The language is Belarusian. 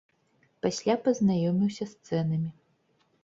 Пасля пазнаёміўся з цэнамі.